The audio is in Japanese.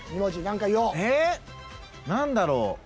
何だろう？